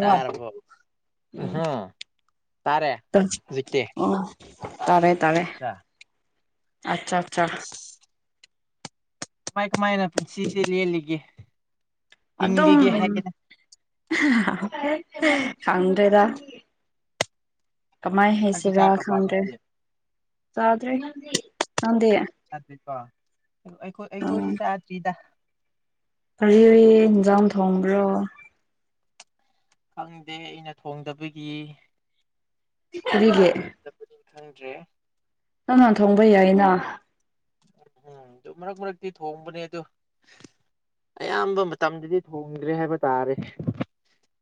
ꯇꯥꯔꯕꯣ ꯎꯝꯍꯨꯝ ꯇꯥꯔꯦ ꯍꯧꯖꯤꯛꯇꯤ ꯇꯥꯔꯦ ꯇꯔꯦ ꯑꯠꯆꯥ ꯑꯆꯥ ꯑꯠꯆꯥ ꯃꯥꯏ ꯀꯃꯥꯏꯅ ꯄꯨꯟꯁꯤꯁꯤ ꯂꯦꯜꯂꯤꯒꯦ ꯑꯗꯨꯝ ꯍꯤꯡꯂꯤꯒꯦ ꯍꯥꯏꯒꯦꯗ ꯍꯥꯍꯥ ꯈꯪꯗ꯭ꯔꯦꯗ ꯀꯃꯥꯏ ꯆꯥꯛꯇꯤ ꯍꯩꯁꯤꯔ ꯆꯥꯈ꯭ꯔꯕꯣ ꯈꯥꯟ꯭ꯔꯦ ꯅꯣꯏꯗꯤ ꯆ꯭ꯗꯔꯤ ꯅꯪꯗꯤ ꯎꯝ ꯑꯩꯈꯣꯏꯁꯨ ꯆꯥꯗ꯭ꯔꯤꯗ ꯀꯔꯤ ꯀꯔꯤ ꯊ‌ꯦꯟꯖꯥꯡ ꯊꯣꯡꯕ꯭ꯔꯣ ꯈꯪꯗꯦ ꯑꯩꯅ ꯊꯣꯡꯗꯕꯒꯤ [unintelligible] ꯈꯪꯗ꯭ꯔꯦ ꯅꯪ ꯅ ꯊꯣꯡꯕ ꯌꯥꯏꯅ ꯎꯝ ꯑꯗꯨ ꯃꯔꯛ ꯃꯔꯛꯇꯤ ꯊꯣꯡꯕꯅꯦ ꯑꯗꯨ ꯑꯌꯥꯝꯕ ꯃꯇꯝꯗꯗꯤ ꯊꯣꯡꯗ꯭ꯔꯦ ꯍꯥꯏꯕ ꯇꯥꯔꯦ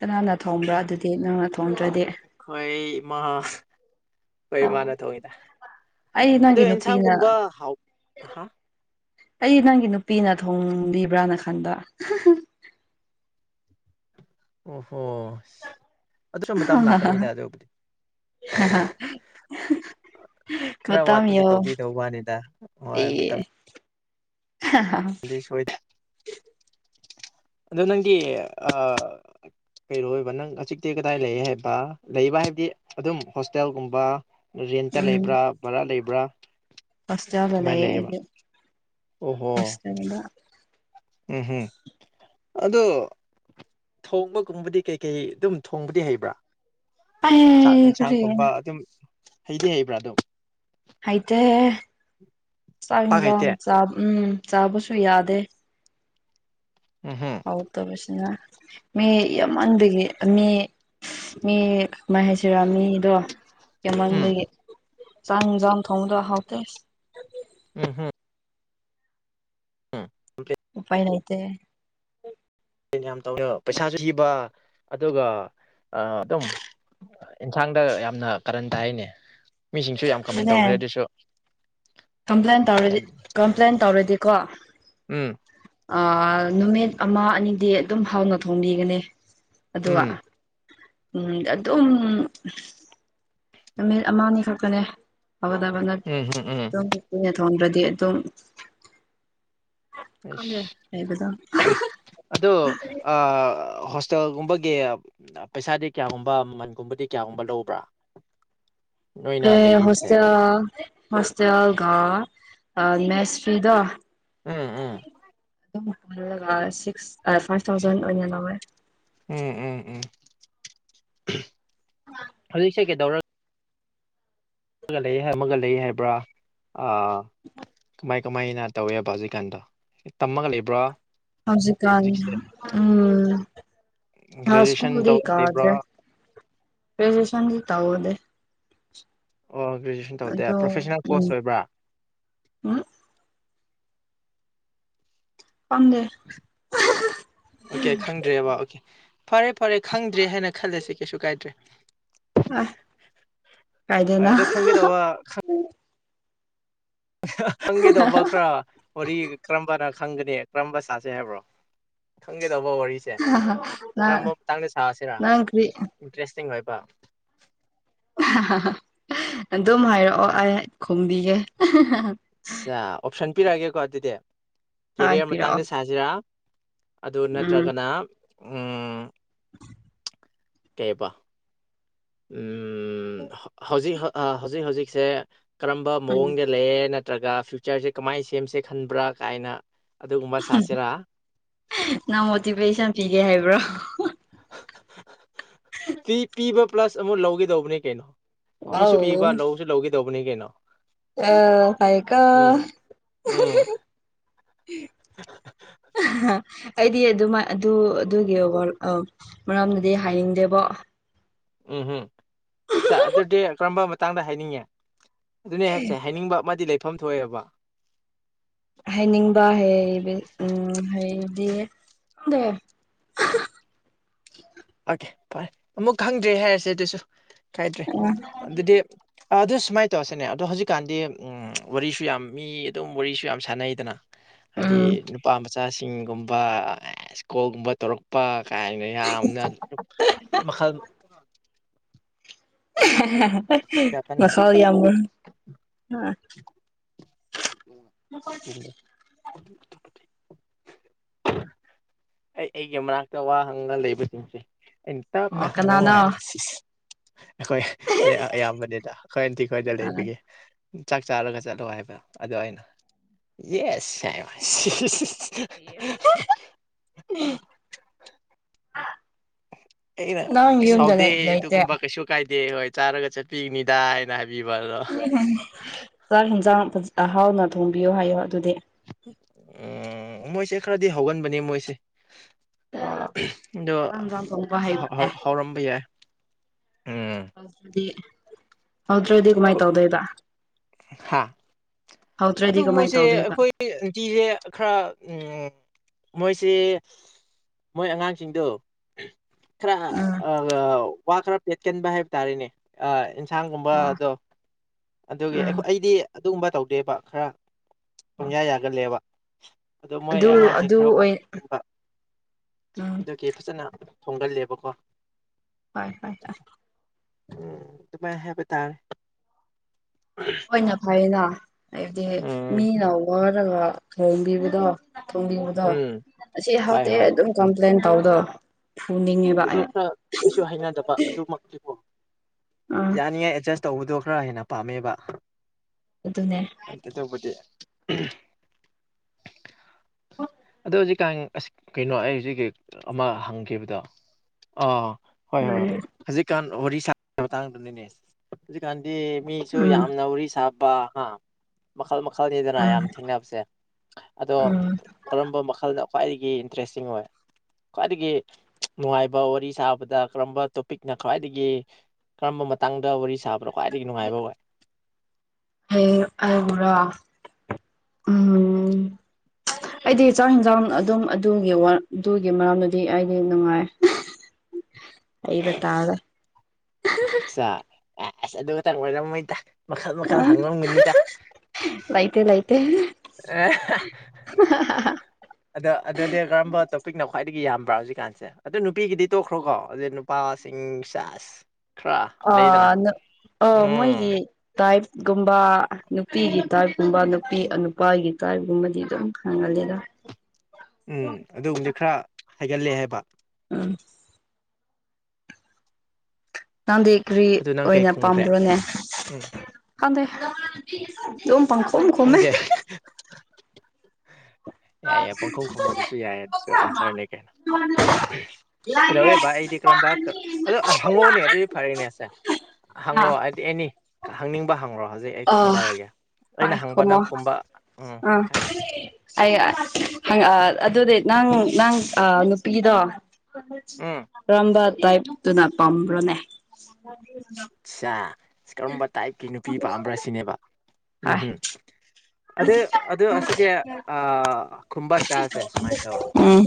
ꯀꯅꯥꯅ ꯊꯣꯡꯕ꯭ꯔꯥ ꯑꯗꯨꯗꯤ ꯅꯪꯅ ꯊꯣꯡꯝꯗ꯭ꯔꯗꯤ ꯈꯣꯏ ꯢꯃꯥ ꯑꯩꯈꯣꯢ ꯏꯃꯅ ꯊꯣꯡꯉꯤꯗ ꯑꯩ ꯑꯗꯣ ꯅꯪꯒꯤ ꯅꯨꯄꯤꯅ ꯑꯦꯟꯁꯥꯡꯒꯨꯝꯕ ꯍꯥꯎ ꯍꯥ ꯑꯩ ꯅꯪꯒꯤ ꯅꯨꯄꯤꯅ ꯊꯣꯡꯕꯤꯕ꯭ꯔꯥꯅ ꯈꯟꯕ ꯍꯥꯍꯥ ꯑꯣꯍꯣ ꯑꯗꯨ ꯁꯨꯝ ꯃꯇꯝ ꯂꯥꯛꯀꯅꯤ ꯇ ꯑꯗꯨꯕꯨꯗꯤ ꯈꯔ ꯃꯇꯝ ꯋꯥꯠꯄꯒꯤ ꯌꯧ ꯇꯧꯕꯤꯗꯧꯕ ꯋꯥꯅꯤꯗ ꯍꯣꯏ ꯃꯇꯝ ꯍꯥꯍꯥ ꯁꯣꯏꯗꯦ ꯑꯗꯣ ꯅꯪꯒꯤ ꯑ ꯀꯩꯔꯣꯏꯕ ꯅꯪ ꯍꯧꯖꯤꯛꯇꯤ ꯀꯗꯥꯏ ꯂꯩ ꯍꯥꯏꯕ ꯂꯩꯕ ꯍꯥꯏꯕꯗꯤ ꯑꯗꯨꯝ ꯍꯣꯁꯇꯦꯜꯒꯨꯝꯕ ꯔꯦꯟꯇ ꯎꯝ ꯂꯩꯕ꯭ꯔꯥ ꯚꯔꯥ ꯂꯩꯕ꯭ꯔꯥ ꯍꯣꯁꯇꯦꯜꯗ ꯀꯃꯥꯏꯅ ꯂꯩꯌꯦ ꯂꯩꯌꯦꯕ ꯑꯩꯗꯤ ꯑꯣ ꯍꯣ [unintelligible] ꯎꯝ ꯎꯝ ꯑꯗꯨ ꯊꯣꯡꯕꯒꯨꯝꯕꯗꯤ ꯀꯩꯀꯩ ꯑꯗꯨꯝ ꯊꯣꯡꯕꯗꯤ ꯍꯩꯕ꯭ꯔꯥ ꯆꯥꯛ ꯑꯩ ꯀꯔꯤ ꯌꯦꯟꯁꯥꯡꯒꯨꯝꯕ ꯑꯗꯨꯝ ꯍꯩꯗꯤ ꯍꯩꯕ꯭ꯔꯥ ꯑꯗꯨꯝ ꯍꯩꯇꯦꯍꯦ ꯆꯥꯛ ꯄꯥꯛ ꯍꯩꯇꯦ ꯌꯦꯟꯁꯥꯡ ꯎꯝ ꯆꯥꯕꯁꯨ ꯌꯥꯗꯦ ꯎꯝ ꯍꯝ ꯍꯥꯎꯇꯕꯁꯤꯅ ꯃꯤ ꯌꯥꯝꯃꯟꯕꯒꯤ ꯃꯤ ꯃꯤ ꯀꯃꯥꯏ ꯍꯩꯁꯤꯔ ꯃꯤꯗꯣ ꯎꯝ ꯌꯃꯟꯕꯒꯤ ꯆꯥꯡꯖꯥꯡ ꯊꯣꯡꯕꯗꯣ ꯍꯥꯎꯇꯦ ꯎꯝ ꯍꯝ ꯎꯝ ꯎꯄꯥꯏ ꯂꯩꯥꯏꯇꯦ ꯌꯥꯝ ꯇꯧꯋꯦꯕ ꯄꯩꯁꯥꯁꯨ ꯊꯤꯕ ꯑꯗꯨꯒ ꯑ ꯑꯗꯨꯝ ꯑꯦꯟꯁꯥꯡꯗ ꯌꯥꯝꯅ ꯀꯔꯟ ꯇꯥꯏꯅꯦ ꯃꯤꯁꯤꯡꯁꯨ ꯌꯥꯝ ꯀꯝꯄꯦꯟ ꯑꯗꯨꯅꯦ ꯇꯧꯈ꯭ꯔꯦ ꯑꯗꯨꯁꯨ ꯀꯝꯄ꯭ꯂꯦꯟ ꯇꯧꯔꯗꯤ ꯀꯝꯄ꯭ꯂꯦꯟ ꯇꯧꯔꯗꯤꯀꯣ ꯎꯝ ꯅꯨꯃꯤꯠ ꯑꯃ ꯑꯅꯤꯗꯤ ꯑꯗꯨꯝ ꯍꯥꯎꯅ ꯊꯣꯡꯕꯤꯒꯅꯤ ꯑꯗꯨꯒ ꯎꯝ ꯎꯝ ꯑꯗꯨꯝ ꯅꯨꯃꯤꯠ ꯑꯃꯅꯤ ꯈꯛꯇꯅꯦ ꯐꯒꯗꯕꯅ ꯎꯝ ꯎꯝ ꯎꯝ ꯑꯗꯨꯝ ꯅ ꯊꯣꯡꯗ꯭ꯔꯗꯤ ꯑꯗꯨꯝ ꯈꯪꯗꯦ ꯂꯩꯕꯗꯣ ꯁ ꯑꯗꯣ ꯍꯣꯁꯇꯦꯜꯒꯨꯝꯕꯒꯤ ꯄꯩꯁꯥꯗꯤ ꯀꯌꯥꯒꯨꯝꯕ ꯃꯟꯒꯨꯝꯕꯗꯤ ꯀꯌꯥꯒꯨꯝꯕ ꯂꯧꯕ꯭ꯔꯥ ꯅꯣꯏꯅ ꯑꯦ ꯂꯩꯔꯤꯕꯁꯦ ꯍꯣꯁꯇꯦꯜ ꯍꯣꯁꯇꯦꯜꯒ ꯅꯦꯁꯔꯤꯗ ꯎꯝ ꯎꯝ ꯑꯗꯨꯝ ꯁꯤꯛꯁ ꯐꯥꯏꯚ ꯊꯥꯎꯖꯟ ꯑꯣꯏꯅ ꯂꯧꯋꯦ ꯎꯝ ꯎꯝ ꯎꯝ ꯍꯧꯖꯤꯛꯁꯦ ꯀꯩꯗꯧꯔꯒ ꯑꯃꯒ ꯂꯩ ꯑꯃꯒ ꯂꯩ ꯍꯥꯏꯕ꯭ꯔꯥ ꯀꯥꯏ ꯀꯃꯥꯏꯅ ꯇꯧꯋꯦꯕ ꯍꯧꯖꯤꯛꯀꯥꯟꯗꯣ ꯇꯝꯃꯒ ꯂꯩꯕ꯭ꯔꯣ ꯍꯔꯤꯀ ꯎꯝ ꯍ ꯒ꯭ꯔꯦꯖꯨꯑꯦꯁꯟ ꯁ꯭ꯀꯨꯜꯗꯤ ꯇꯧꯔ ꯂꯩꯕ꯭ꯔꯥ ꯀꯥꯖ ꯄꯦꯖꯦꯁꯟꯁꯤ ꯇ ꯑꯣꯦ ꯑꯣ ꯒ꯭ꯔꯦꯖꯨꯋꯦꯁꯟ ꯑꯗꯣ ꯇꯧꯗꯦ꯭ꯔꯣꯦꯅꯦꯜ ꯀꯣꯔꯁ ꯎꯝ ꯑꯣꯏꯕ꯭ꯔꯥ ꯎꯝ ꯄꯪꯒꯦ ꯑꯣꯀꯦ ꯈꯪꯗ꯭ꯔꯦ ꯕꯕꯥ ꯑꯣꯀꯦ ꯐꯔꯦ ꯐꯔꯦ ꯈꯪꯗ꯭ꯔꯦ ꯍꯥꯏꯅ ꯈꯜꯂꯁꯤ ꯀꯩꯁꯨ ꯀꯥꯏꯗ꯭ꯔꯦ ꯑꯥꯏ ꯀꯥꯏꯗꯦꯅ ꯑꯗꯨꯣ ꯈꯪꯒꯦꯗ ꯋꯥ ꯍꯪꯒꯦꯗꯧꯕ ꯈꯔꯥ ꯋꯥꯔꯤ ꯀꯔꯝꯕꯅ ꯈꯪꯒꯅꯤ ꯀꯔꯝꯕ ꯁꯥꯁꯦ ꯍꯥꯏꯕ꯭ꯔꯣ ꯈꯪꯒꯦꯗꯧꯕ ꯋꯥꯔꯤ ꯅꯪ ꯀꯔꯝꯕ ꯃꯇꯥꯡꯗ ꯁꯥꯁꯤꯔꯥ ꯅꯪ ꯀ꯭ꯔꯤ ꯏꯟꯇꯔꯦꯁꯇꯤꯡ ꯑꯣꯏꯕ ꯑꯗꯨꯝ ꯍꯥꯏꯔꯛꯑꯣ ꯑꯩ ꯈꯣꯕꯤꯒꯦ ꯑꯆꯥ ꯑꯣꯞꯁꯟ ꯄꯤꯔꯛꯑꯒꯦꯀꯣ ꯑꯗꯨꯗꯤ ꯍꯥꯏ ꯀꯦꯔꯤꯌꯔ ꯄꯤꯔꯛꯑꯣ ꯃꯇꯥꯡꯗ ꯁꯥꯁꯤꯔ ꯑꯗꯨ ꯎꯝ ꯅꯠꯇ꯭ꯔꯒꯅ ꯎ ꯀꯩꯕꯣ ꯍꯧꯖꯤꯛ ꯍꯧꯖꯤꯛ ꯍꯧꯖꯤꯛꯁꯦ ꯀꯔꯝꯕ ꯎꯝ ꯃꯑꯣꯡꯗ ꯂꯑꯦ ꯅꯠꯇ꯭ꯔꯒ ꯐ꯭ꯌꯨꯆꯔꯁꯦ ꯀꯃꯥꯏꯅ ꯁꯦꯝꯁꯦ ꯈꯟꯕ꯭ꯔꯥ ꯀꯥꯏꯅ ꯑꯗꯨꯒꯨꯝꯕ ꯁꯥꯁꯤꯔꯥ ꯅꯪ ꯃꯣꯇꯤꯚꯦꯁꯟ ꯄꯤꯒꯦ ꯍꯥꯏꯕ꯭ꯔꯣ ꯄꯤ ꯄꯤꯕ ꯄ꯭ꯂꯁ ꯑꯃꯨꯛ ꯂꯧꯒꯦꯗꯧꯕꯅꯤ ꯀꯩꯅꯣ ꯄꯤꯁꯨ ꯋꯥꯎ ꯄꯤꯕ ꯂꯧꯁꯨ ꯂꯧꯒꯗꯧꯕꯅꯤ ꯀꯩꯅꯣ ꯑ ꯍ ꯀ ꯎꯝ ꯎꯝ [unintelligible] ꯑꯩꯗꯤ ꯑꯗꯨꯃ ꯑꯗꯨ ꯑꯗꯨꯒꯤꯔ ꯑꯧ ꯃꯔꯝꯅꯗꯤ ꯍꯥꯏꯅꯤꯡꯗꯦꯕꯣ ꯎꯝ ꯎꯝ ꯑꯠ ꯑꯗꯨꯗꯤ ꯀꯔꯝꯕ ꯃꯇꯥꯡꯗ ꯍꯥꯏꯅꯤꯡꯉꯦ ꯑꯗꯨꯅꯦ ꯍꯥꯏꯁꯦ ꯍꯥꯏꯅꯤꯡꯕ ꯑꯃꯗꯤ ꯂꯩꯐꯝ ꯊꯣꯛꯑꯦꯕ ꯍꯩꯅꯤꯡꯕ ꯍ ꯎꯝ ꯍꯗꯤ ꯑꯣꯀꯦ ꯐꯔꯦ ꯑꯃꯨꯛ ꯈꯪꯗ꯭ꯔꯦ ꯍꯥꯏꯔꯁꯦ ꯑꯗꯨꯁꯨ ꯀꯥꯏꯗ꯭ꯔꯦ ꯑꯗꯨꯗꯤ ꯑꯗꯨ ꯁꯨꯃꯥꯏꯅ ꯇꯧꯔꯁꯤꯅꯦ ꯑꯗꯣ ꯍꯧꯖꯤꯛꯀꯥꯟꯗꯤ ꯎꯝ ꯋꯥꯔꯤꯁꯨ ꯌꯥꯝ ꯃꯤ ꯑꯗꯨꯝ ꯋꯥꯔꯤꯁꯨ ꯌꯥꯝ ꯁꯥꯟꯅꯩꯗꯅ ꯍꯥꯏꯗꯤ ꯎꯝ ꯅꯨꯄꯥ ꯃꯆꯥꯁꯤꯡꯒꯨꯝꯕ ꯁ꯭ꯀꯣꯜꯒꯨꯝꯕ ꯇꯧꯔꯛꯄ ꯀꯥꯏꯅ ꯌꯥꯝꯅ ꯃꯈꯥ ꯀꯟꯅ ꯃꯁ ꯌꯥꯝꯕꯨ [inaudible] ꯑꯩ ꯑꯩꯒꯤ ꯃꯅꯥꯛꯇ ꯋꯥ ꯍꯪꯉꯒ ꯂꯩꯕꯁꯤꯡꯁꯦ ꯑꯩꯅ ꯇꯞꯅ ꯑꯣ ꯍꯪꯉꯣ ꯀꯅꯥꯅꯣ ꯍꯥꯏꯕ ꯁꯤꯁꯦ ꯑꯩꯈꯣꯏ ꯑꯌꯥꯝꯕꯅꯦꯗ ꯑꯩꯈꯣꯏꯝꯇꯤꯈꯗ ꯂꯩꯕꯒꯤꯦ ꯆꯥꯛ ꯆꯥꯔꯒ ꯆꯠꯂꯣ ꯍꯥꯏꯕ ꯑꯗ ꯑꯩꯅ ꯌꯦꯁ ꯍꯥꯏ [inaudible] ꯑꯩꯅ ꯅꯪ ꯌꯨꯝꯗ ꯁꯥꯎꯗꯦ ꯂꯩ ꯂꯩꯇꯦ ꯑꯗꯨꯒꯨꯝꯕ ꯀꯩꯁꯨ ꯀꯥꯏꯗꯦ ꯍꯣꯏ ꯆꯥꯔꯒ ꯆꯠꯄꯤꯅꯤꯗꯥ ꯍꯥꯏꯅ ꯍꯥꯏꯕꯤꯕ ꯑꯗꯣ ꯆꯥꯛ ꯌꯦꯟꯁꯥꯡ ꯐꯖ ꯑꯍꯥꯎꯅ ꯊꯣꯡꯕꯤꯌꯨ ꯍꯥꯏꯌꯣ ꯑꯗꯨꯗꯤ ꯎꯝ ꯃꯣꯏꯁꯦ ꯈꯔꯗꯤ ꯍꯧꯒꯟꯕꯅꯤ ꯃꯣꯏꯁꯦ ꯑꯗꯣ ꯆꯥꯛ ꯌꯦꯟꯁꯥꯡ ꯊꯣꯡꯕ ꯍꯩꯕꯅꯦ ꯍꯧꯔꯝꯕ ꯌꯥꯏ ꯎꯝ [unintelligible] ꯍꯧꯇ꯭ꯔꯗꯤ ꯀꯃꯥꯏꯅ ꯇꯧꯗꯣꯏꯗ ꯍꯥꯥ ꯑꯗꯨ ꯃꯣꯏꯁꯦ ꯇꯧꯗꯣꯏꯕ ꯑꯩꯈꯣꯏ ꯅꯨꯡꯇꯤꯁꯦ ꯈꯔ ꯎꯝ ꯃꯣꯏꯁꯦ ꯃꯣꯏ ꯑꯉꯥꯡꯁꯤꯡꯗꯣ ꯈꯔ ꯎꯝ ꯋꯥ ꯈꯔ ꯄꯦꯠꯀꯟꯕ ꯍꯥꯏꯕ ꯇꯥꯔꯦꯅꯦ ꯑ ꯌꯦꯟꯁꯥꯡꯒꯨꯝꯕ ꯑꯣ ꯑꯗꯣ ꯑꯗꯨꯒꯤ ꯎꯝ ꯑꯩꯈꯣꯏ ꯑꯩꯗꯤ ꯑꯗꯨꯒꯨꯝꯕ ꯇꯧꯗꯦꯕ ꯈꯔ ꯄꯨꯟꯌꯥꯥ ꯌꯥꯒꯟꯂꯦꯕ ꯑꯗꯣ ꯃꯣꯏ ꯑꯗꯨ ꯑꯉꯥꯡꯁꯤꯡ ꯑꯗꯨ ꯈꯔ ꯑꯣꯏ [unintelligible] ꯎꯝ ꯑꯗꯨꯒꯤ ꯐꯖꯅ ꯊꯣꯡꯒꯜꯂꯦꯕꯀꯣ ꯍꯣꯏ ꯍꯣꯏ ꯍꯣꯏ ꯎꯝ ꯑꯗꯨꯃꯥꯏꯅ ꯍꯥꯏꯕ ꯇꯥꯔꯦ ꯍꯣꯏꯅ ꯐꯩꯅ ꯍꯥꯏꯕꯗꯤ ꯎꯝ ꯃꯤꯅ ꯋꯥꯔꯒ ꯊꯣꯡꯕꯤꯕꯗꯣ ꯊꯣꯡꯕꯤꯕꯗꯣ ꯎꯝ ꯑꯁꯤ ꯍꯣꯏ ꯍꯥꯎꯇꯦ ꯍꯣꯏ ꯑꯗꯨꯝ ꯀꯝꯄ꯭ꯂꯦꯟ ꯇꯧꯕꯗꯣ ꯑꯗꯨꯗꯣ ꯈꯔ ꯑꯩꯁꯨ ꯍꯩꯅꯗꯕ ꯑꯗꯨꯃꯛꯇꯤ ꯀꯣ ꯑꯥ ꯌꯥꯅꯤꯡꯉꯥꯏ ꯑꯦꯗꯖꯁ ꯇꯧꯕꯗꯣ ꯈꯔ ꯍꯦꯟꯅ ꯄꯥꯝꯃꯦꯕ ꯑꯗꯨꯅꯦ ꯑꯇꯣꯞꯄꯗꯤ [unintelligible] ꯑꯗꯣ ꯍꯧꯖꯤꯛꯀꯥꯟ ꯑꯁ ꯀꯩꯅꯣ ꯑꯩ ꯍꯧꯖꯤꯛꯀꯤ ꯑꯃ ꯍꯪꯈꯤꯕꯗꯣ ꯑꯥ ꯍꯣꯏ ꯍꯣꯏ ꯍꯣꯏ ꯂꯣꯏꯔꯦ ꯍꯧꯖꯤꯛꯀꯥꯟ ꯋꯥꯔꯤ ꯁꯥꯕꯒꯤ ꯃꯇꯥꯡꯗꯨꯅꯤꯅꯦ ꯍꯧꯖꯤꯛꯀꯥꯟꯗꯤ ꯃꯤꯁꯨ ꯎꯝ ꯌꯥꯝꯅ ꯋꯥꯔꯤ ꯁꯥꯕ ꯍꯥ ꯃꯈꯜ ꯃꯈꯜ ꯃꯈꯜꯅꯤꯗꯅ ꯎꯝ ꯌꯥꯝ ꯊꯦꯡꯅꯕꯁꯦ ꯑꯗꯣ ꯎꯝ ꯃꯈꯈꯜꯅ ꯈ꯭ꯋꯥꯏꯗꯒꯤ ꯏꯟꯇꯔꯦꯁꯇꯤꯡ ꯑꯣꯏ ꯈ꯭ꯋꯥꯏꯗꯒꯤ ꯅꯨꯡꯉꯥꯏꯕ ꯋꯥꯔꯤ ꯁꯥꯕꯗ ꯀꯔꯝꯕ ꯇꯣꯄꯤꯛꯅ ꯈ꯭ꯋꯥꯏꯗꯒꯤ ꯀꯔꯝꯕ ꯃꯇꯥꯡꯗ ꯋꯥꯔꯤ ꯁꯥꯕꯅ ꯈ꯭ꯋꯥꯏꯗꯒꯤ ꯅꯨꯡꯉꯥꯏꯕ ꯑꯣꯏ ꯑꯩꯕꯨꯔꯣ [inaudible] ꯑꯩꯗꯤ ꯆꯥꯛ ꯌꯦꯟꯁꯥꯡ ꯑꯗꯨꯝ ꯑꯗꯨꯒꯤ ꯑꯗꯨꯒꯤ ꯃꯔꯝꯗꯨꯗꯤ ꯑꯩꯗꯤ ꯅꯨꯡꯉꯥꯏ [inaudible] [unintelligible] [unintelligible] ꯑꯁ ꯑꯗꯨ ꯈꯇꯪ ꯑꯣꯏꯔꯝ ꯃꯣꯏꯗ ꯃꯈꯜ ꯃꯈꯜ ꯍꯪꯉꯝꯒꯅꯤꯗ ꯂꯥꯏꯇꯦ ꯂꯥꯏꯇꯦ ꯑ [unintelligible] ꯑꯗꯣ ꯑꯗꯨꯗꯤ ꯀꯔꯝꯕ ꯇꯣꯄꯤꯛꯅ ꯈ꯭ꯋꯥꯏꯗꯒꯤ ꯌꯥꯝꯕ꯭ꯔꯥ ꯍꯧꯖꯤꯛꯀꯥꯟꯁꯦ ꯑꯗꯨ ꯅꯨꯄꯤꯒꯤꯗꯤ ꯇꯣꯛꯈ꯭ꯔꯣ ꯀꯣ ꯑꯗꯨ ꯅꯨꯄꯥꯁꯤꯡ ꯆꯥꯁ ꯑ ꯑ ꯎꯝ ꯃꯣꯏꯒꯤ ꯇꯥꯏꯞꯀꯨꯝꯕ ꯅꯨꯄꯤꯒꯤ ꯇꯥꯏꯞꯀꯨꯝꯕ ꯅꯨꯄꯤ ꯑ ꯅꯨꯄꯥꯒꯤ ꯇꯥꯏꯞꯀꯨꯝꯕꯗꯤ ꯑꯗꯨꯝ ꯈꯪꯒꯜꯂꯤꯗ ꯎꯝ ꯑꯗꯨꯒꯨꯝꯕꯗꯤ ꯈꯔ ꯍꯥꯏꯒꯟꯂꯦ ꯍꯥꯏꯕ ꯎꯝ ꯅꯪꯗꯤ ꯀꯔꯤ ꯑꯗꯨ ꯅꯪ ꯀꯩ ꯑꯣꯏꯅ ꯈꯨꯝꯈ꯭ꯔꯦ ꯄꯥꯝꯕ꯭ꯔꯣꯅꯦ ꯎꯝ ꯈꯪꯗꯦ ꯑꯗꯨꯝ ꯄꯪꯈꯣꯝ ꯈꯨꯝꯃꯦ ꯈꯪꯗꯦ ꯌꯥꯏ ꯌꯥꯏ ꯄꯥꯡꯈꯨꯝ ꯈꯨꯝꯕꯗꯨꯁꯨ ꯌꯥꯏ ꯑꯗꯨꯁꯨ ꯑꯟꯁꯔꯅꯦ ꯀꯩꯅꯣ ꯀꯤꯗꯧꯋꯦ ꯚꯥꯏ ꯑꯩꯗꯤ ꯀꯔꯝꯕ ꯑꯗꯣ ꯍꯪꯉꯛꯑꯣꯅꯦ ꯑꯗꯨꯗꯤ ꯐꯔꯦꯅꯦ ꯑꯁꯦ ꯍꯪꯉꯣ ꯍꯥꯏꯗꯤ ꯑꯦꯅꯤ ꯍꯪꯅꯤꯡꯕ ꯍꯪꯉꯣ ꯍꯧꯖꯤꯛ ꯑꯩ ꯑꯣ ꯈꯨꯝꯊꯔꯒꯦ ꯑꯩꯅ ꯍꯣꯏ ꯍꯪꯕ ꯈꯨꯝꯃꯣ ꯅꯪ ꯈꯨꯝꯕ ꯎꯝ ꯑꯥ ꯍꯥꯏꯌꯣ ꯑꯩ [unintelligible] ꯑꯗꯨꯗꯤ ꯅꯪ ꯅꯪ ꯅꯨꯄꯤꯗꯣ ꯎꯝ ꯀꯔꯝꯕ ꯇꯥꯏꯞꯇꯨꯅ ꯄꯥꯝꯕ꯭ꯔꯣꯅꯦ ꯑꯁꯥ ꯀꯔꯝꯕ ꯇꯥꯏꯞꯀꯤ ꯅꯨꯄꯤ ꯄꯥꯝꯕ꯭ꯔꯥ ꯁꯤꯅꯦꯕ ꯍꯣꯏ ꯎꯝꯝ ꯑꯗꯨ ꯑꯗꯨ ꯑꯁꯤꯁꯦ ꯑ ꯈꯨꯝꯕ ꯏꯁꯇꯥꯏꯜꯁꯦ ꯁꯨꯃꯥꯏꯅ ꯇꯧꯔꯁꯦ ꯎꯝ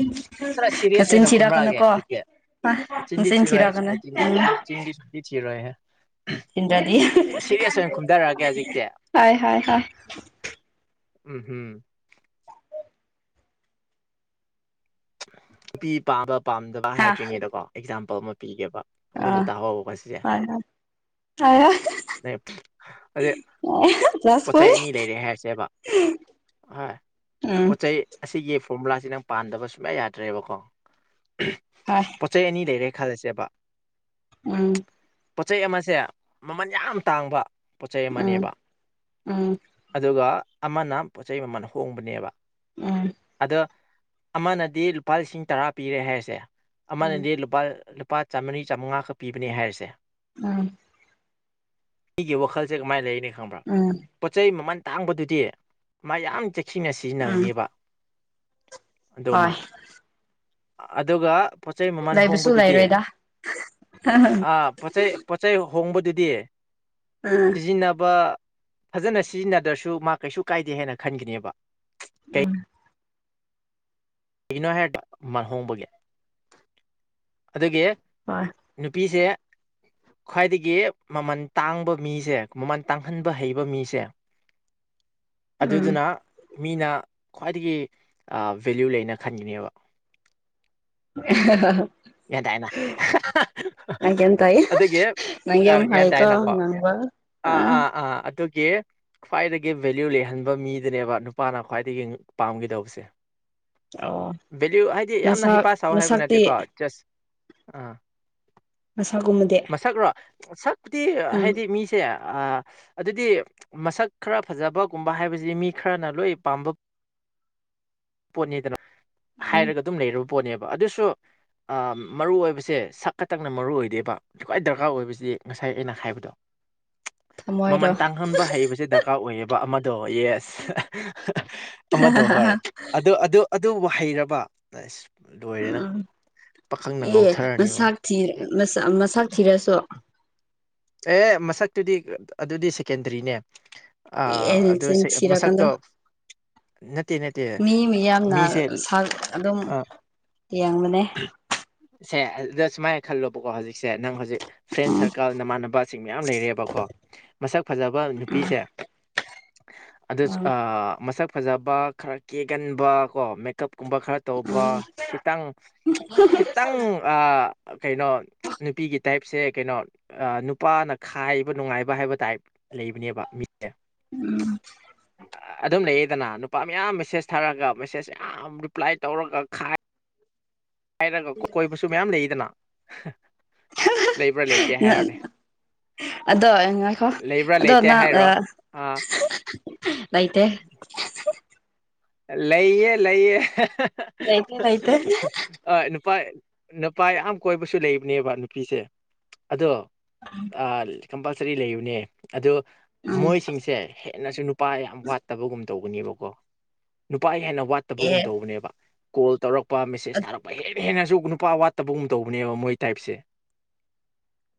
ꯈꯔ ꯁꯤꯔꯤꯌꯁ ꯅꯆꯤꯟ ꯑꯣꯏꯅ ꯈꯨꯝꯔꯛꯑꯒꯦ ꯊꯤꯔꯛꯀꯅꯨꯀꯣ ꯍꯧꯖꯤꯛꯇꯤ ꯆꯤꯟꯗꯤ ꯅꯆꯤꯟ ꯊꯤꯔꯣꯏ ꯊꯤꯔꯛꯀꯅꯨ ꯎꯝ ꯆꯤꯟꯗꯤ ꯄ ꯆ ꯌꯦꯦ ꯔꯦ ꯏꯟꯗꯗꯤ ꯑꯣꯏꯅ ꯈꯨꯝꯊꯔꯛꯑꯒꯦ ꯍꯧꯖꯤꯛꯇꯤ ꯍ ꯍ ꯍ ꯎꯝ ꯍꯝ ꯅꯨꯄꯤ ꯄꯥꯝꯕ ꯄꯥꯝꯗꯕ ꯍꯥ ꯍꯥꯏꯗ꯭ꯔꯤꯉꯩꯗꯀꯣ ꯑꯦꯛꯖꯥꯝꯄꯜ ꯑꯃ ꯄꯤꯒꯦꯕ ꯑꯥ ꯃꯨꯟꯅ ꯇꯥꯍꯧꯕꯀꯣ ꯐ ꯍꯥꯏ ꯑ ꯆꯁ ꯀ ꯂꯩꯔꯦ ꯍꯥꯏꯔꯁꯦꯕ ꯎꯝ ꯄꯣꯠꯆ ꯆꯩ ꯑꯁꯤꯒꯤ ꯐꯣꯔꯃꯨꯂꯥꯁꯤ ꯅꯪ ꯄꯥꯟꯗꯕ ꯁꯨꯡꯌꯥ ꯌꯥꯗ꯭ꯔꯦꯕꯀꯣ ꯍꯣꯏ ꯄꯣꯠ ꯆꯩ ꯑꯅꯤ ꯂꯩꯔꯦ ꯈꯜꯂꯁꯦꯕ ꯎꯝ ꯄꯣꯠꯆꯩ ꯑꯃꯁꯦ ꯃꯃꯜ ꯌꯥꯝ ꯇꯥꯡꯕ ꯄꯣꯠꯆꯩ ꯎꯝ ꯑꯃꯅꯦꯕ ꯎꯝ ꯑꯗꯨꯒ ꯑꯃꯅ ꯄꯣꯠ ꯆꯩ ꯃꯃꯜ ꯍꯣꯡꯕꯅꯦꯕ ꯎꯝ ꯑꯗꯣ ꯑꯃꯅꯗꯤ ꯂꯨꯄꯥ ꯂꯤꯁꯤꯡ ꯇꯔꯥ ꯄꯤꯔꯦ ꯍꯥꯏꯁꯦ ꯎꯝ ꯑꯃꯅꯗꯤ ꯂꯨꯄꯥ ꯂꯨꯄꯥ ꯆꯥꯝꯃꯔꯤ ꯆꯥꯃꯉꯥꯈꯛ ꯄꯤꯕꯅꯦ ꯍꯥꯏꯔꯤꯁꯦ ꯎꯝ ꯃꯤꯒꯤ ꯋꯥꯈꯜꯁꯦ ꯀꯃꯥꯏꯅ ꯂꯩꯅꯤ ꯈꯪꯕ꯭ꯔꯥ ꯎꯝ ꯄꯣꯠ ꯆꯩ ꯃꯃꯜ ꯇꯥꯡꯕꯗꯨꯗꯤ ꯃꯥ ꯌꯥꯝ ꯆ ꯁꯤꯡꯅ ꯎꯝ ꯁꯤꯖꯤꯟꯅꯒꯅꯦꯕ ꯑꯗꯨꯃ ꯍꯣꯏ ꯑꯗꯨꯒ ꯄꯣꯠꯆꯩ ꯃꯃꯜ ꯂꯩꯕꯁꯨ ꯍꯣꯡꯕꯗꯨꯗꯤ ꯂꯩꯔꯣꯏꯗ ꯄꯣꯠꯆꯩ ꯄꯣꯠꯆꯩ ꯍꯣꯡꯕꯗꯨꯗꯤ ꯎꯝ ꯁꯤꯖꯤꯟꯅꯕ ꯐꯖꯅ ꯁꯤꯖꯤꯟꯅꯗ꯭ꯔꯁꯨ ꯃꯥ ꯀꯩꯁꯨ ꯀꯥꯏꯗꯦ ꯍꯥꯏꯅ ꯈꯟꯒꯅꯦꯕ ꯎꯝ ꯀꯒꯤꯩꯅꯣ ꯍꯥꯏꯗ ꯃꯜꯍꯣꯡꯕꯒꯤ ꯑꯗꯨꯗꯒꯤ ꯍꯣꯏ ꯅꯨꯄꯤꯁꯦ ꯈ꯭ꯋꯥꯏꯗꯒꯤ ꯃꯃꯟ ꯇꯥꯡꯕ ꯃꯤꯁꯦ ꯃꯃꯜ ꯇꯥꯡꯍꯟꯕ ꯍꯩꯕ ꯃꯤꯁꯦ ꯎꯝ ꯑꯗꯨꯗꯨꯅ ꯃꯤꯅ ꯈ꯭ꯋꯥꯏꯗꯒꯤ ꯚꯦꯂ꯭ꯨ ꯂꯩꯅ ꯈꯟꯈꯤꯅꯦꯕ [inaudible] ꯌꯦꯦꯗꯥ ꯍꯥꯏꯅ ꯅꯪ ꯒ꯭ꯌꯥꯟ ꯇꯥꯏꯌꯦ ꯑꯗꯨꯒꯤ ꯅꯪ ꯌꯥꯝ ꯒ꯭ꯌꯥꯟ ꯍꯩꯀꯣ ꯇꯥꯏꯅꯀꯣ ꯉꯥꯡꯕ ꯑꯥ ꯑꯥ ꯑꯥ ꯑꯗꯨ ꯒꯤ ꯈ꯭ꯋꯥꯏꯗꯒꯤ ꯚꯦꯂꯌꯨ ꯂꯩꯍꯟꯕ ꯃꯤꯗꯨꯅꯦꯕ ꯅꯨꯄꯥꯅ ꯈ꯭ꯋꯥꯏꯗꯒꯤ ꯄꯥꯝꯒꯗꯧꯕꯁꯦ ꯑꯣ ꯚꯦꯂꯌꯨ ꯍꯥꯏꯗꯤ ꯌꯥꯝꯅ ꯍꯤꯄꯥ ꯃꯁꯛ ꯁꯥꯎ ꯍꯥꯏꯕ ꯅꯠꯇꯦꯀꯣ ꯃꯁꯛꯇꯤ ꯆꯁ ꯑꯥ ꯃꯁꯛꯒꯨꯝꯕꯗꯤ ꯃꯁꯛ ꯔꯣ ꯁꯛꯄꯨꯗꯤ ꯎꯝ ꯍꯥꯏꯗꯤ ꯃꯤꯁꯦ ꯑꯗꯨꯗꯤ ꯃꯁꯛ ꯈꯔ ꯐꯖꯕꯒꯨꯝꯕ ꯍꯥꯏꯕꯁꯤ ꯃꯤ ꯈꯔꯅ ꯂꯣꯏ ꯄꯥꯝꯕ ꯄꯣꯠꯅꯦꯗꯅ ꯎꯝ ꯍꯥꯏꯔꯒ ꯑꯗꯨꯝ ꯂꯩꯔꯨꯕ ꯄꯣꯠꯅꯦꯕ ꯑꯗꯨꯁꯨ ꯃꯔꯨ ꯑꯣꯏꯕꯁꯦ ꯁꯛꯀ ꯇꯪꯅ ꯃꯔꯨ ꯑꯣꯏꯗꯦꯕ ꯈ꯭ꯋꯥꯏ ꯗꯔꯀꯥꯔ ꯑꯣꯏꯕꯁꯤꯗꯤ ꯉꯁꯥꯏ ꯑꯩꯅ ꯍꯥꯏꯕꯗꯣ ꯊꯝꯃꯣꯏꯔꯣ ꯃꯃꯜ ꯇꯥꯡꯍꯟꯕ ꯍꯩꯕꯁꯦ ꯗꯔꯀꯥꯔ ꯑꯣꯏꯌꯦꯕ ꯑꯃꯗꯣ ꯌꯦꯁ ꯑꯃꯗꯣ ꯍꯣꯏ ꯑꯗꯨ ꯑꯗꯨ ꯑꯗꯨꯕꯨ ꯍꯩꯔꯕꯁ ꯂꯣꯏꯔꯦ ꯅꯪ ꯎꯝ ꯄꯥꯈꯪꯅ ꯑꯦ ꯉꯥꯎꯊꯔꯅꯤꯕ ꯃꯁ ꯎꯝ, ꯊ ꯃꯁꯥ ꯊꯤꯔꯁꯨ ꯑꯦ ꯃꯁꯛꯇꯨꯗꯤ ꯑꯗꯨꯗꯤ ꯁꯦꯀꯦꯟꯗꯔꯤꯅꯦ ꯑ ꯑꯦ ꯑꯗꯨ ꯆꯤꯟ ꯁꯤ ꯊꯤꯔꯀꯥꯟꯗ ꯃꯁꯥꯠꯇꯣ ꯅ ꯅꯠꯇ ꯃꯤ ꯃꯤꯁꯦ ꯃꯌꯥꯝꯅ ꯑ ꯌꯦ ꯌꯦꯡꯕꯅꯦ ꯁꯦ ꯑꯗꯨꯗ ꯁꯨꯃꯥꯏꯅ ꯈꯜꯂꯣꯕꯀꯣ ꯍꯧꯖꯤꯛꯁꯦ ꯅꯪ ꯍꯧꯖꯤꯛ ꯐ꯭ꯔꯦꯟ ꯎꯝ ꯁꯥꯔꯀꯜꯅ ꯃꯥꯥꯟꯅꯕ ꯄꯥꯁꯤꯡ ꯃꯌꯥꯝ ꯂꯩꯔꯦꯕꯀꯣ ꯃꯁꯛ ꯐꯖꯕ ꯅꯨꯄꯤꯁꯦ ꯑꯗꯨ ꯎꯝ ꯃꯁꯛ ꯐꯖꯕ ꯈꯔ ꯀꯦꯒꯟꯕ ꯀꯣ ꯃꯦꯀꯞꯀꯨꯝꯕ ꯈꯔ ꯇꯧꯕ ꯎꯝ ꯈꯤꯇꯪ ꯈꯤ ꯇꯪ ꯑ ꯀꯩꯅꯣ ꯅꯨꯄꯤꯒꯤ ꯇꯥꯏꯞꯁꯦ ꯀꯩꯅꯣ ꯑ ꯅꯨ ꯄꯥꯅ ꯈꯥꯏꯕ ꯅꯨꯡꯉꯥꯏꯕ ꯍꯥꯏꯕ ꯇꯥꯏꯞ ꯂꯩꯕꯅꯦꯕ ꯑꯗꯨꯝ ꯂꯩꯌꯦꯗꯅ ꯄꯥ ꯃꯌꯥꯝ ꯃꯦꯁꯦꯁ ꯊꯥꯔꯒ ꯃꯦꯁꯦꯖ ꯌꯥꯝ ꯔꯤꯄ꯭ꯂꯥꯏ ꯇꯧꯔꯒ ꯈꯥꯏ ꯔꯒ ꯀꯣꯏꯕꯁꯨ ꯃꯌꯥꯝ ꯂꯩꯗꯅ ꯂꯩꯕ꯭ꯔꯥ ꯂꯩꯇꯦ ꯍꯥꯏꯔꯣꯅꯦ ꯑꯗꯣ ꯉꯥꯏꯈꯣ ꯂꯩꯕ꯭ꯔꯥ ꯑꯗꯣ ꯂꯩꯇꯦ ꯅꯪ ꯍꯥꯏꯔꯣ ꯑꯥ ꯂꯩꯇꯦ ꯂꯩꯌꯦ ꯂꯩꯌꯦ ꯂꯩꯇꯦ ꯂꯩꯇꯦ ꯅꯨꯄꯥ ꯅꯨꯄꯥ ꯌꯥꯝ ꯀꯣꯏꯕꯁꯨ ꯂꯩꯕꯅꯦꯕ ꯅꯨꯄꯤꯁꯦ ꯑꯗꯣ ꯀꯝꯄꯜꯁꯔꯤ ꯂꯩꯕꯅꯦ ꯑꯣ ꯎꯝ ꯃꯣꯏꯁꯤꯡꯁꯦ ꯍꯦꯟꯅꯁꯨ ꯅꯨꯄꯥ ꯌꯥꯝ ꯋꯥꯠꯇꯕꯒꯨꯝ ꯇꯧꯕꯅꯦꯕꯀꯣ ꯅꯨꯄꯥ ꯍꯦꯟꯅ ꯋꯥꯠꯇꯕꯒꯨꯝ ꯑꯦ ꯇꯧꯕꯅꯦꯕ ꯀꯣꯜ ꯇꯧꯔꯛꯄ ꯃꯦꯁꯦꯁ ꯊꯥꯔꯛꯄ ꯍꯦ ꯍꯦꯟꯅꯁꯨ ꯅꯨꯄꯥ ꯋꯥꯠꯇꯕꯒꯨꯝ ꯇꯧꯕꯅꯦꯕ ꯃꯣꯏ ꯇꯥꯏꯞꯁꯦ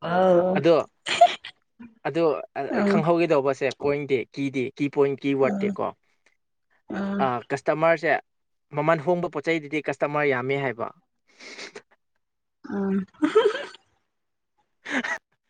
ꯑ ꯑꯗꯣ ꯑꯣ ꯑ ꯈꯪꯍꯧꯒꯦꯗꯧꯕꯁꯦ ꯄꯣꯏꯟ ꯗꯦ ꯀꯤꯗꯤꯦ ꯀꯤ ꯄꯣꯏꯟ ꯀꯤ ꯋꯥꯠꯇꯦ ꯀꯣ ꯑ ꯀꯁꯇꯃꯔꯁꯦ ꯃꯃꯜ ꯍꯣꯡꯕ ꯄꯣꯠ ꯆꯩꯩꯗꯨꯗꯤ ꯀꯁꯇꯃꯔ ꯌꯥꯝꯃꯦ ꯍꯥꯏꯕ ꯑꯝ ꯍꯍ ꯍ